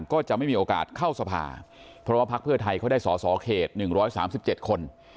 ก็จะไม่มีโอกาสเข้าสภาเพราะว่าพักเพื่อไทยเขาได้สอสอเขต๑๓๗คน